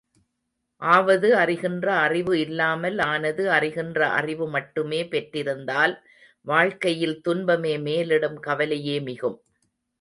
ஆவது அறிகின்ற அறிவு இல்லாமல் ஆனது அறிகின்ற அறிவுமட்டுமே பெற்றிருந்தால் வாழ்க்கையில் துன்பமே மேலிடும் கவலையே மிகும்.